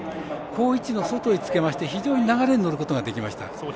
好位置の外につけまして非常に流れに乗ることができました。